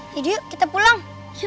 yuk yuk kita pulang